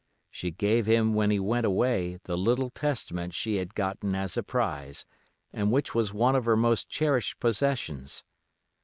She gave him when he went away the little Testament she had gotten as a prize, and which was one of her most cherished possessions.